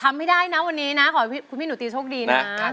ทำให้ได้นะวันนี้นะขอให้คุณพี่หนูตีโชคดีนะ